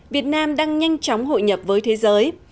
việt nam đang nhanh chóng hội nhập với thế giới